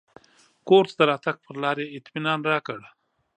کور ته د راتګ پر لار یې اطمنان راکړ.